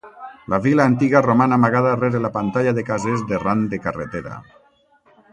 La vila antiga roman amagada rere la pantalla de cases de ran de carretera.